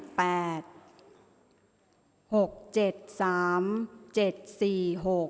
ออกรางวัลที่๖เลขที่๗